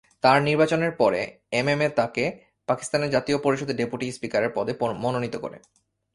তার নির্বাচনের পরে এমএমএ তাকে পাকিস্তানের জাতীয় পরিষদের ডেপুটি স্পিকারের পদে মনোনীত করে।